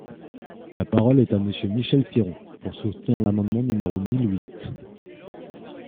La parole est à Monsieur Michel Piron, pour soutenir l’amendement numéro mille huit.